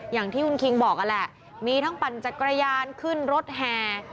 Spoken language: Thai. อย่างที่คุณคิงบอกนั่นแหละมีทั้งปั่นจักรยานขึ้นรถแห่